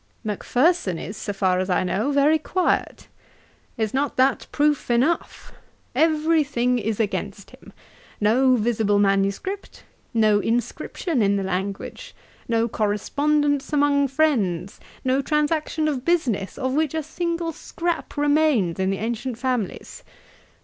Macpherson is, so far as I know, very quiet. Is not that proof enough? Every thing is against him. No visible manuscript; no inscription in the language: no correspondence among friends: no transaction of business, of which a single scrap remains in the ancient families.